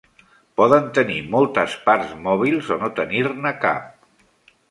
Poden tenir moltes parts mòbils o no tenir-ne cap.